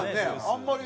あんまり。